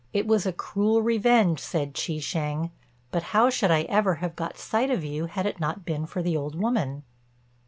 "It was a cruel revenge," said Chi shêng; "but how should I ever have got a sight of you had it not been for the old woman?"